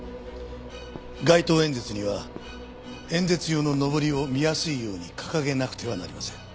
街頭演説には演説用ののぼりを見やすいように掲げなくてはなりません。